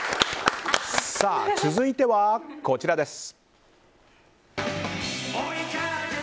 続いては、こちらです。